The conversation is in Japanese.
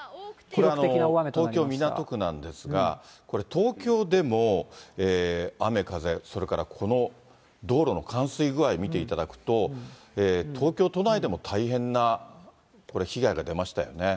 これ、東京・港区なんですが、これ、東京でも雨風、それからこの道路の冠水具合見ていただくと、東京都内でも大変な被害が出ましたよね。